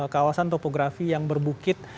kawasan topografi yang berbukit